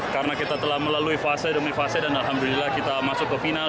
karena kita telah melalui fase demi fase dan alhamdulillah kita masuk ke final